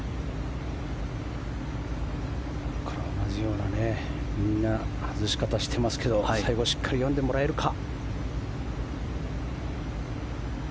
ここからみんな同じような外し方してますけど最後しっかり読んでもらえるか。